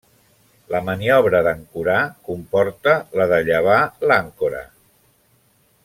La maniobra d'ancorar comporta la de llevar l'àncora.